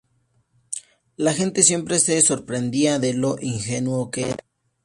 La gente siempre se sorprendía de lo ingenuo que era.